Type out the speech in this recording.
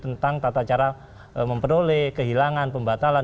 tentang tata cara memperoleh kehilangan pembatalan